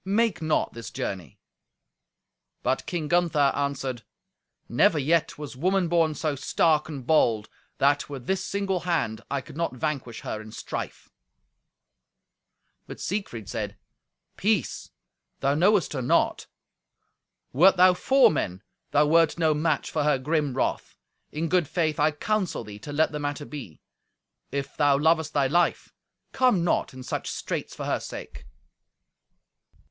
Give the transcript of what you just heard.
Make not this journey." But King Gunther answered, "Never yet was woman born so stark and bold, that, with this single hand, I could not vanquish her in strife." But Siegfried said, "Peace! Thou knowest her not. Wert thou four men, thou wert no match for her grim wrath. In good faith I counsel thee to let the matter be. If thou lovest thy life, come not in such straits for her sake."